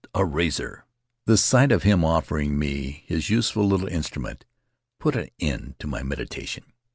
A razor!" The sight of him offering me his useful little instru ment put an end to my meditation.